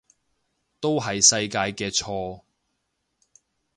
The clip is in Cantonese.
都係世界嘅錯